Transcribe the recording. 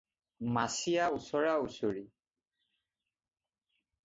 মাচিয়া ওচৰা-ওচৰি